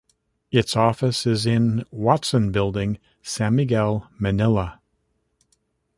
Its office is in Watson Building, San Miguel, Manila.